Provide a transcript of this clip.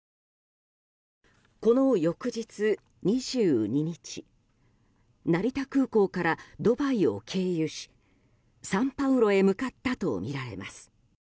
この翌日２２日、成田空港からドバイを経由しサンパウロへ向かったとみられます。